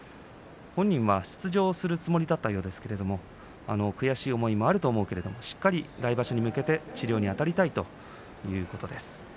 本人は出場するつもりだったようですけれども悔しい思いもあると思うけれどしっかり来場所に向けて治療にあたりたいということです。